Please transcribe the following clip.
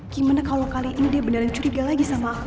gimana kalau kali ini dia beneran curiga lagi sama aku